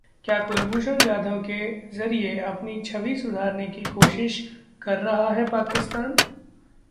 क्या कुलभूषण जाधव के जरिए अपनी छवि सुधारने की कोशिश कर रहा है पाकिस्तान?